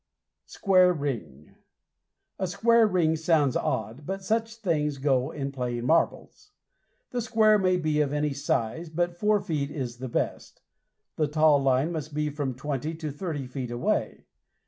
SQUARE RING A "Square Ring" sounds odd, but such things go in playing marbles. The square may be of any size, but four feet is the best. The taw line must be from twenty to thirty feet away.